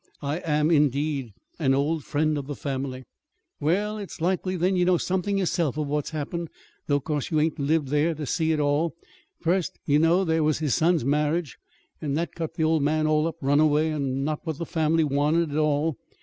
"I am, indeed, an old friend of the family." "Well, it's likely, then, you know something yourself of what's happened though 'course you hain't lived here to see it all. First, ye know, there was his son's marriage. And that cut the old man all up runaway, and not what the family wanted at all.